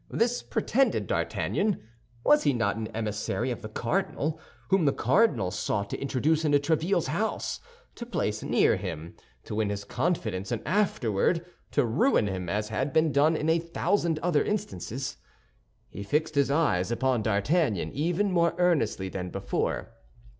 This pretended D'Artagnan—was he not an emissary of the cardinal, whom the cardinal sought to introduce into Tréville's house, to place near him, to win his confidence, and afterward to ruin him as had been done in a thousand other instances? He fixed his eyes upon D'Artagnan even more earnestly than before.